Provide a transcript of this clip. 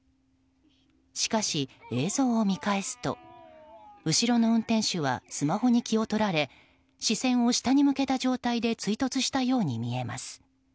しかし映像を見返すと後ろの運転手はスマホに気を取られ視線を下に向けた状態で追突したように見えます。